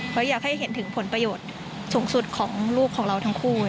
เพราะอยากให้เห็นถึงผลประโยชน์สูงสุดของลูกของเราทั้งคู่